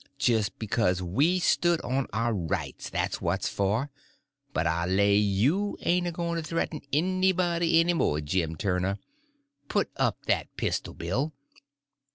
Jist because we stood on our rights—that's what for. But I lay you ain't a goin' to threaten nobody any more, Jim Turner. Put up that pistol, Bill."